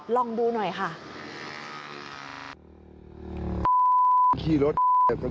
ลองดูหน่อยค่ะ